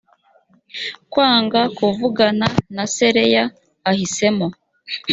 kwanga kuvugana na se leah ahisemo